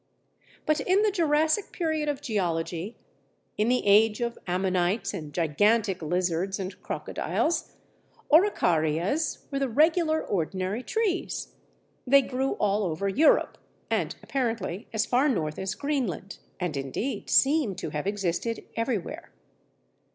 But in the Jurassic period of geology, in the age of ammonites and gigantic lizards and crocodiles, Araucarias were the regular, ordinary trees. They grew all over Europe, and apparently as far north as Greenland, and, indeed, seem to have existed everywhere.